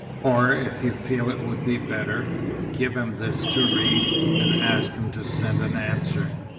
Or if you feel it would be better, give him this to read, and ask him to send an answer."